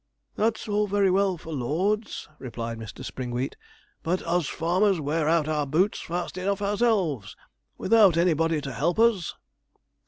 'That's all very well for lords,' replied Mr. Springwheat; 'but us farmers wear out our boots fast enough ourselves, without anybody to help us.'